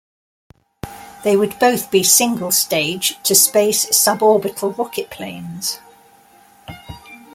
They would both be single-stage to space sub-orbital rocketplanes.